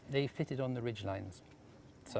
dan itulah cara kami membangunnya